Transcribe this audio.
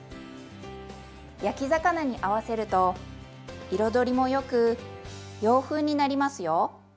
焼き魚に合わせると彩りもよく洋風になりますよ。